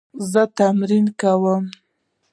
زه تمرین کوم